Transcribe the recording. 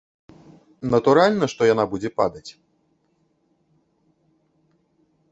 Натуральна, што яна будзе падаць.